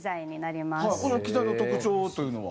この機材の特徴というのは？